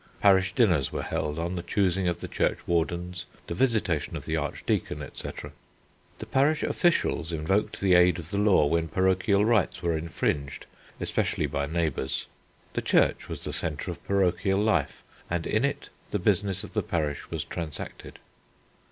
Parish dinners were held on the choosing of the churchwardens, the visitation of the Archdeacon, etc. The parish officials invoked the aid of the law when parochial rights were infringed, especially by neighbours. The church was the centre of parochial life and in it the business of the parish was transacted.